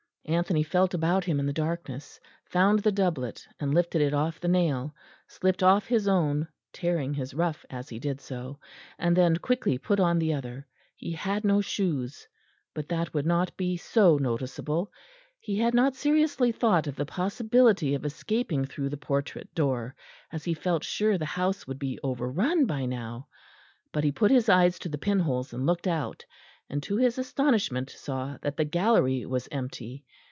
Anthony felt about him in the darkness, found the doublet and lifted it off the nail; slipped off his own, tearing his ruff as he did so; and then quickly put on the other. He had no shoes; but that would not be so noticeable. He had not seriously thought of the possibility of escaping through the portrait door, as he felt sure the house would be overrun by now; but he put his eyes to the pinholes and looked out; and to his astonishment saw that the gallery was empty.